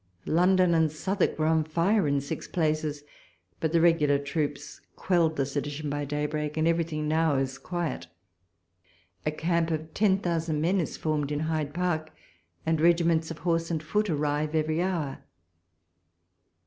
London and Southwark were on fire in six places ; but the regular troops quelled the sedition by daybreak, and everything now is quiet. A camp of ten thousand men is formed in Hyde Park, and regiments of horse and foot arrive every hour.